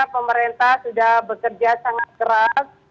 pemerintah sudah bekerja sangat keras